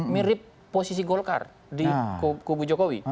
mirip posisi golkar di kubu jokowi